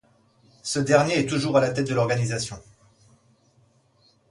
Ce dernier est toujours à la tête de l'organisation.